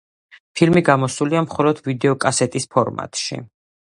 ფილმი გამოსულია მხოლოდ ვიდეოკასეტის ფორმატში.